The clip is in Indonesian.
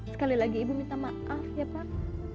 sekali lagi ibu minta maaf ya pak